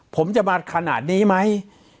ผมจะมาขนาดนี้ไหม